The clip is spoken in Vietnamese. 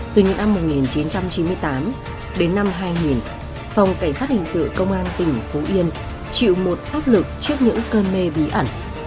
từ những năm một nghìn chín trăm chín mươi tám đến năm hai nghìn phòng cảnh sát hình sự công an tỉnh phú yên chịu một áp lực trước những cơn mê bí ẩn